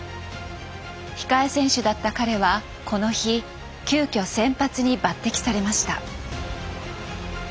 控え選手だった彼はこの日急きょ先発に抜擢されました。